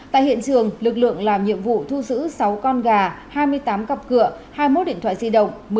tại hiện trường lực lượng làm nhiệm vụ thu giữ sáu con gà hai mươi tám cặp cửa hai mươi một điện thoại di động